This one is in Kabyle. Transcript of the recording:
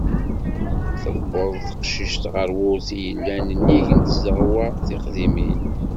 Tiweḍ teqcict ɣer wurti i yellan nnig n tzeɣwa tiqdimin.